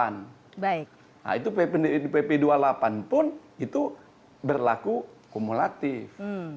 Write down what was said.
nah itu di pp dua puluh delapan pun itu berlaku kumulatif